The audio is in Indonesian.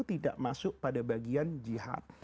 tidak masuk pada bagian jihad